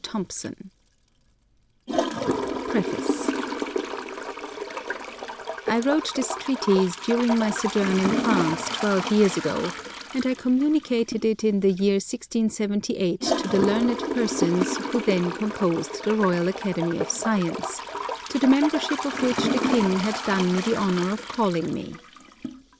THOMPSON University of Chicago Press PREFACE I wrote this Treatise during my sojourn in France twelve years ago, and I communicated it in the year 1678 to the learned persons who then composed the Royal Academy of Science, to the membership of which the King had done me the honour of calling, me.